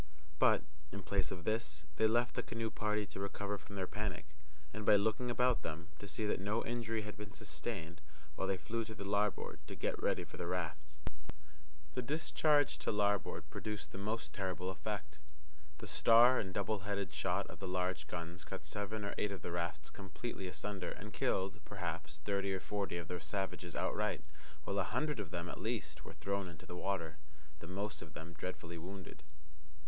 But, in place of this, they left the canoe party to recover from their panic, and, by looking about them, to see that no injury had been sustained, while they flew to the larboard to get ready for the rafts. The discharge to larboard produced the most terrible effect. The star and double headed shot of the large guns cut seven or eight of the rafts completely asunder, and killed, perhaps, thirty or forty of the savages outright, while a hundred of them, at least, were thrown into the water, the most of them dreadfully wounded.